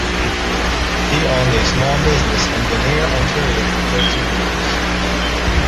He owned a small business in Vanier, Ontario for thirteen years.